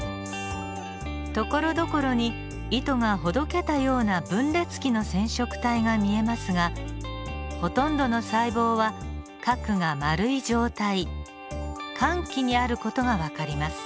ところどころに糸がほどけたような分裂期の染色体が見えますがほとんどの細胞は核が丸い状態間期にある事が分かります。